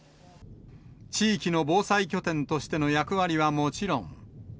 地域の防災拠点としての役割はもちろん。